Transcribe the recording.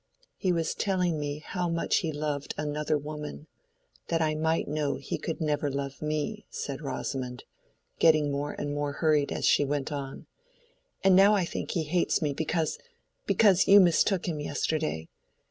"He was telling me how he loved another woman, that I might know he could never love me," said Rosamond, getting more and more hurried as she went on. "And now I think he hates me because—because you mistook him yesterday.